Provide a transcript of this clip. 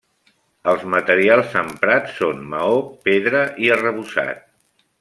Els materials emprats són maó, pedra i arrebossat.